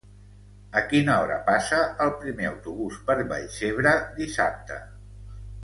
A quina hora passa el primer autobús per Vallcebre dissabte?